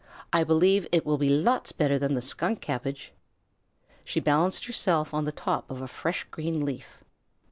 I believe it will be lots better than the skunk cabbage." She balanced herself on the top of a fresh green leaf.